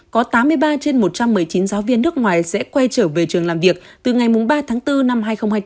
có tám mươi ba trên một trăm một mươi chín giáo viên nước ngoài sẽ quay trở về trường làm việc từ ngày ba tháng bốn năm hai nghìn hai mươi bốn